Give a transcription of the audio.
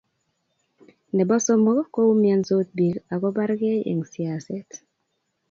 nebo somok, ko umiansot biik ago bargei eng siaset